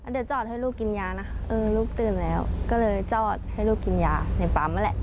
เดี๋ยวจอดให้ลูกกินยานะเออลูกตื่นแล้วก็เลยจอดให้ลูกกินยาในปั๊มนั่นแหละ